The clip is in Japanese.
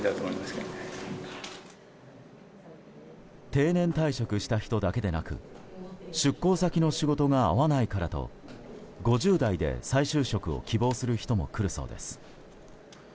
定年退職した人だけでなく出向先の仕事が合わないからと５０代で再就職を希望する人も来るそうです。